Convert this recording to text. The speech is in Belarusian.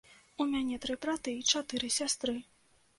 У мяне тры браты і чатыры сястры.